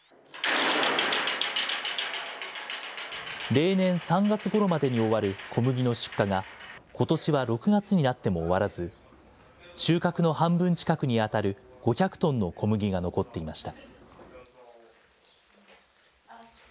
例年３月ごろまでに終わる小麦の出荷が、ことしは６月になっても終わらず、収穫の半分近くに当たる５００トンの小麦が残っていました。